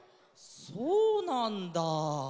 そうなんだ。